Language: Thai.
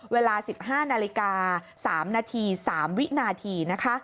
เวลา๑๕นาฬิกา๓นาที๓วินาทีนะคะ